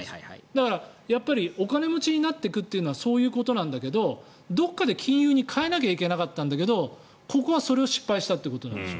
だからお金持ちになっていくというのはそういうことなんだけどどこかで金融に変えなきゃいけなかったんだけどここはそれを失敗したということなんです。